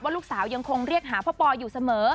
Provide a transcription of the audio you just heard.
ลูกสาวยังคงเรียกหาพ่อปออยู่เสมอ